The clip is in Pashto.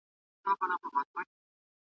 جهاني در څخه ولاړم پر جانان مي سلام وایه .